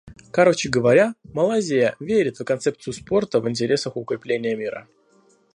Короче говоря, Малайзия верит в концепцию спорта в интересах укрепления мира.